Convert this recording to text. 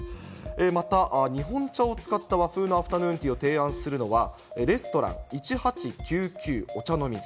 また日本茶を使った和風のアフタヌーンティーを提案するのは、レストラン１８９９お茶の水。